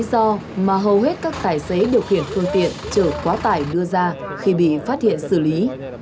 hầu hết các tài xế điều khiển thương tiện chở quá tải đưa ra khi bị phát hiện xử lý